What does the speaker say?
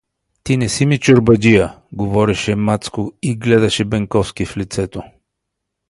— Ти не ми си чорбаджия — говореше Мацко и гледаше Бенковски в лицето.